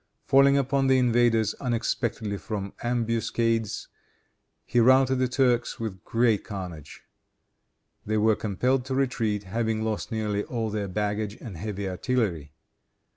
Falling upon the invaders unexpectedly from ambuscades, he routed the Turks with great carnage. They were compelled to retreat, having lost nearly all their baggage and heavy artillery.